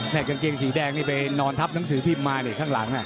แต่กางเกงสีแดงนี่ไปนอนทับหนังสือพิมพ์มาเนี่ยข้างหลัง